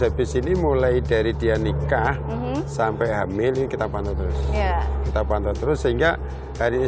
habis ini mulai dari dia nikah sampai hamil ini kita pantau terus kita pantau terus sehingga hari ini